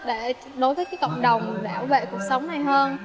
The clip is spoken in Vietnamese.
để đối với cộng đồng bảo vệ cuộc sống này hơn